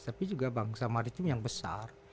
tapi juga bangsa maritim yang besar